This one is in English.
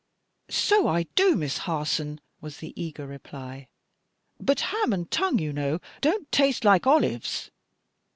"So I do, Miss Harson," was the eager reply; "but ham and tongue, you know, don't taste like olives."